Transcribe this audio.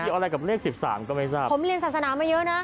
เรียกอะไรกับเลข๑๓ก็ไม่ทราบ